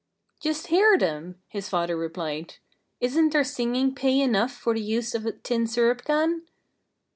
"Just hear them!" his father replied. "Isn't their singing pay enough for the use of a tin syrup can?"